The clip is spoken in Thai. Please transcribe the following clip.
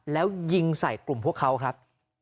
แล้วยิงใส่กลุ่มพวกเขาครับ